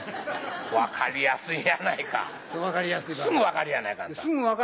分かりやすいやないかすぐ分かるやないか。